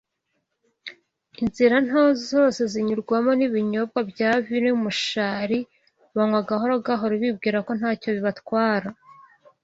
inzira nto zose zinyurwamo n’ibinyobwa bya vino y’umushari banywa gahoro gahoro bibwira ko ntacyo bibatwara